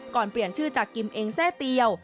เปลี่ยนชื่อจากกิมเองแทร่เตียว